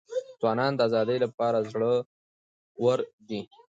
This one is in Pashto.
ځوانان د ازادۍ لپاره زړه ور دي.